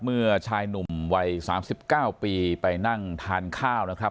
เมื่อชายหนุ่มวัย๓๙ปีไปนั่งทานข้าวนะครับ